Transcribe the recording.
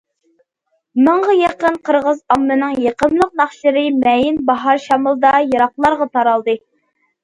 مىڭغا يېقىن قىرغىز ئاممىنىڭ يېقىملىق ناخشىلىرى مەيىن باھار شامىلىدا يىراقلارغا تارالدى.